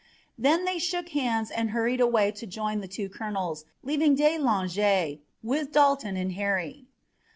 Then they shook hands and hurried away to join the two colonels, leaving de Langeais with Dalton and Harry.